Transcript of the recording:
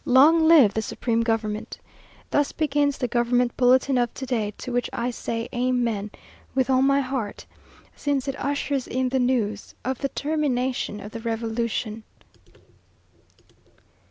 Long live the Supreme Government!" Thus begins the government bulletin of to day, to which I say Amen! with all my heart, since it ushers in the news of the termination of the revolution.